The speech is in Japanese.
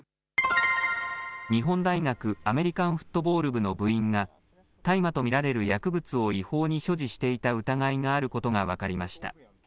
日本大学アメリカンフットボール部の部員が、大麻と見られる薬物を違法に所持していた疑いがあることが分かりました。